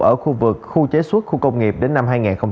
ở khu vực khu chế xuất khu công nghiệp đến năm hai nghìn hai mươi